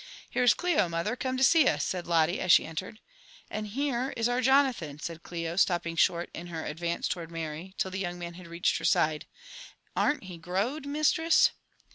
Here is Clio, mother, come to see us," said Lotte as she en^ tared. '* And here is oxxc Jonathan," said Clio, stopping short in her ad vance towards Mary, till the young man had reached her side. ''Arn't he growed, mistress?